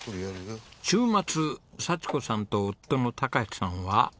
週末幸子さんと夫の孝さんは。